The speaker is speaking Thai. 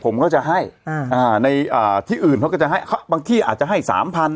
ผมก็จะให้ในอ่าที่อื่นเขาก็จะให้บางที่อาจจะให้สามพัน